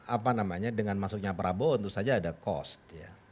apa namanya dengan masuknya prabowo tentu saja ada cost ya